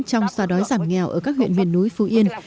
trong xóa đói giảm nghèo ở các huyện miền núi phú yên